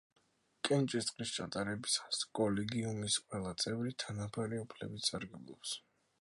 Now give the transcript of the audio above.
კენჭისყრის ჩატარებისას კოლეგიუმის ყველა წევრი თანაბარი უფლებებით სარგებლობს.